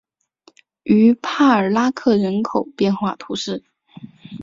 于帕尔拉克人口变化图示